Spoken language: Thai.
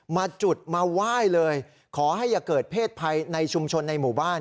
มาจุดมาไหว้เลยขอให้อย่าเกิดเพศภัยในชุมชนในหมู่บ้าน